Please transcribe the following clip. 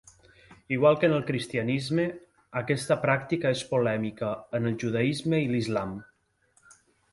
Igual que en el cristianisme, aquesta pràctica és polèmica en el judaisme i l'islam.